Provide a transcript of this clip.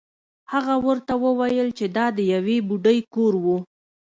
هغه ورته وویل چې دا د یوې بوډۍ کور و.